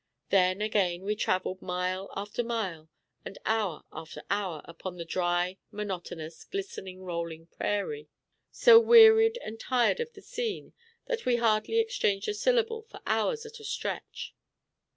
Then, again, we traveled mile after mile, and hour after hour upon the dry, monotonous, glistening rolling prairie, so wearied and tired of the scene that we hardly exchanged a syllable for hours at a stretch.